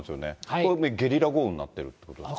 これ、ゲリラ豪雨になっているっていうことですね。